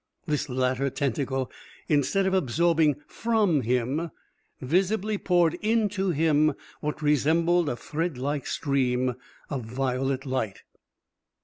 This latter tentacle, instead of absorbing from him, visibly poured into him what resembled a threadlike stream of violet light.